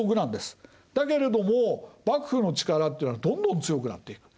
だけれども幕府の力っていうのがどんどん強くなっていく。